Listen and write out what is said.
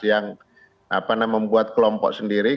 yang membuat kelompok sendiri